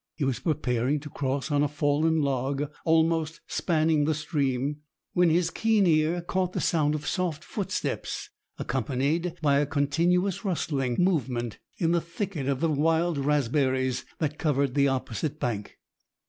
He was preparing to cross on a fallen log almost spanning the stream, when his keen ear caught the sound of soft footsteps, accompanied by a continuous rustling movement in the thicket of wild raspberries that covered the opposite bank.